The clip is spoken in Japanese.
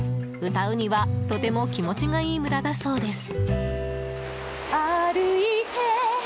歌うにはとても気持ちがいい村だそうです。